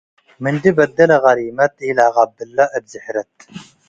ምንዲ በዴ ለቀሪመን ኢለቀብለ እብ ዝሕረት